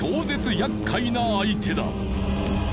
やっかいな相手だ。